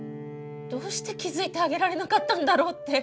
どうして気付いてあげられなかったんだろうって。